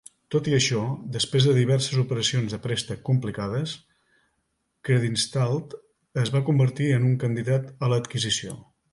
Tot i això, després de diverses operacions de préstec complicades, Creditanstalt es va convertir en un candidat a l'adquisició.